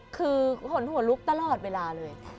คือขนหัวลุกตลอดเวลาเลย